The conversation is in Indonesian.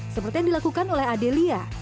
seperti yang dilakukan oleh adelia